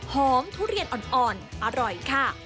ทุเรียนอ่อนอร่อยค่ะ